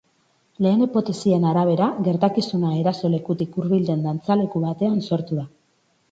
Lehen hipotesien arabera, gertakizuna eraso lekutik hurbil den dantzaleku batean sortu da.